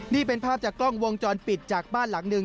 นี่เป็นภาพจากกล้องวงจรปิดจากบ้านหลังหนึ่ง